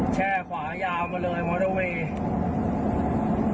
แช่ขวายาวมาเลยมอเตอร์เวย์